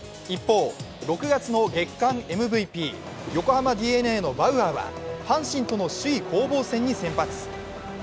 一方、６月の月間ＭＶＰ横浜ＤｅＮＡのバウアーは阪神との首位攻防戦に先発。